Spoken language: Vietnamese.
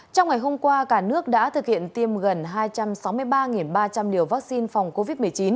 trong ngày hôm qua cả nước đã thực hiện tiêm gần hai trăm sáu mươi ba ba trăm linh liều vaccine phòng covid một mươi chín